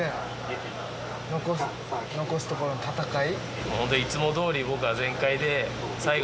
残すところの戦い。